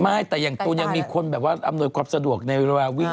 ไม่แต่อย่างตัวนี้ยังมีคนอำนวยความสะดวกในระวังวิ่ง